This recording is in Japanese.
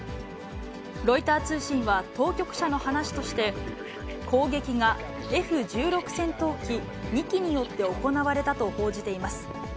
ロイター通信は当局者の話として、攻撃がＦ１６戦闘機２機によって行われたと報じています。